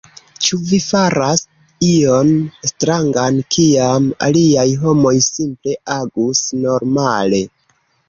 Ĉu vi faras ion strangan, kiam aliaj homoj simple agus normale.